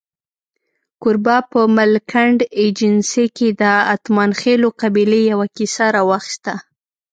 کوربه په ملکنډ ایجنسۍ کې د اتمانخېلو قبیلې یوه کیسه راواخسته.